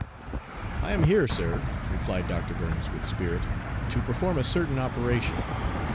"I am here, sir," replied Dr. Burns with spirit, "to perform a certain operation.